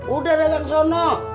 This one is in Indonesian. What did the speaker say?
udah dagang sono